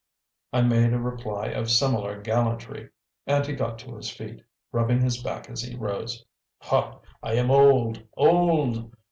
I made a reply of similar gallantry and he got to his feet, rubbing his back as he rose. "Ha, I am old! old!